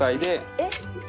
えっ？